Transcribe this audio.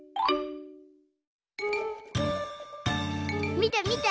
みてみて！